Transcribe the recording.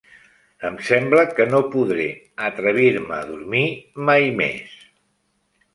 Em sembla que no podré a trevirme a dormir mai més!